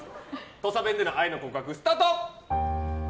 土佐弁での愛の告白、スタート。